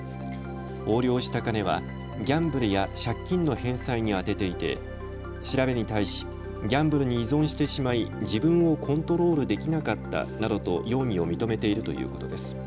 横領した金はギャンブルや借金の返済に充てていて調べに対しギャンブルに依存してしまい自分をコントロールできなかったなどと容疑を認めているということです。